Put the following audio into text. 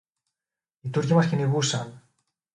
Οι Τούρκοι μας κυνηγούσαν